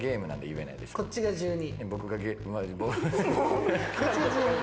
こっちが１２？